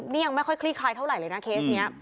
นี่ยังไม่ค่อยคลี่คลายเท่าไหร่เลยนะเคสนี้